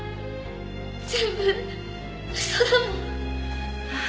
全部嘘だもん。